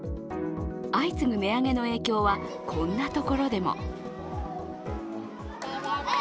相次ぐ値上げの影響はこんなところでも。